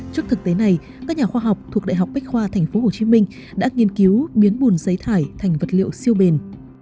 trước thực tế này các nhà khoa học thuộc đại học bách khoa tp hcm đã nghiên cứu biến bùn giấy thải thành vật liệu siêu bền